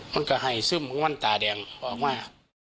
มันก็ไห้ซึ้มมันตาแดงบอกมา